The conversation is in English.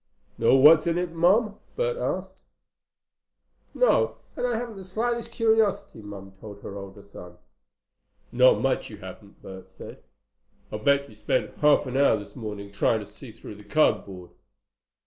"Know what's in it, Mom?" Bert asked. "No. And I haven't the slightest curiosity," Mom told her older son. "Not much, you haven't!" Bert said. "I'll bet you spent half an hour this morning trying to see through the cardboard."